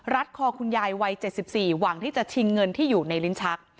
คอคุณยายวัย๗๔หวังที่จะชิงเงินที่อยู่ในลิ้นชัก